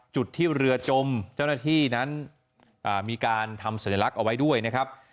จุดที่เรือจมเจ้าหน้าที่นั้นมีการทำสัญลักษณ์เอาไว้ด้วยนะครับ